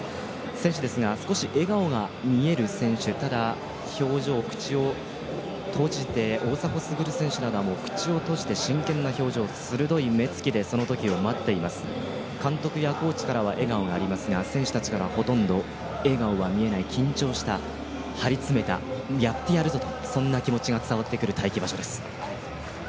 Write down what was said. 選手たちですが、少し笑顔が見える選手ただ、少し表情、口を閉じて、大迫傑選手などは口を閉じて真剣な表情、鋭い目つきでそのときを待っています、監督やコーチからは笑顔がありますが選手たちはからはほとんど笑顔が見えない、緊張した、張り詰めた、やってやるぞと、そんな気持ちが伝わってくる待機場所です。